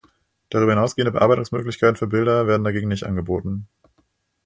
Darüber hinaus gehende Bearbeitungsmöglichkeiten für Bilder werden dagegen nicht angeboten.